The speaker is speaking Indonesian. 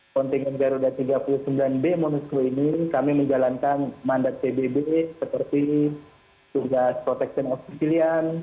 kontinen garuda tiga puluh sembilan b monusco ini kami menjalankan mandat cbb seperti ini